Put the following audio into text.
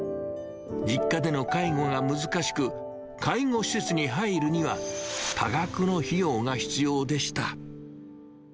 実家での介護が難しく、介護施設に入るには多額の費用が必要でした。